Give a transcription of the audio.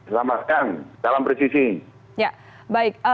selamat siang dalam persisih